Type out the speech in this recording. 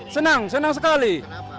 senang senang sekali